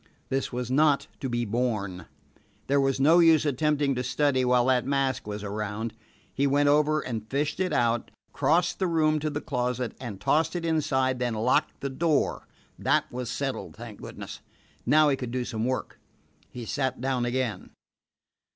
This was not to be borne. There was no use attempting to study while that mask was around. He went over and fished it out, crossed the room to the closet, and tossed it inside, then locked the door. That was settled, thank goodness! Now he could do some work. He sat down again.